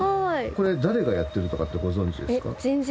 これ誰がやってるとかってご存じですか？